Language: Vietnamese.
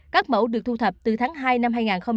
các mẫu được thu thập từ tháng hai năm hai nghìn hai mươi